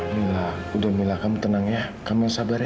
mila udah mila kamu tenang ya kami sabar ya